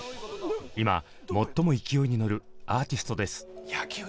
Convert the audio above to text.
今最も勢いに乗るアーティストです。